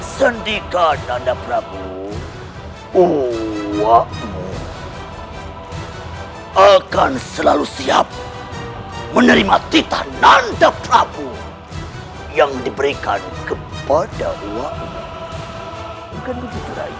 sendika nanda prabu uwa amuk akan selalu siap menerima titan nanda prabu yang diberikan kepada uwa amuk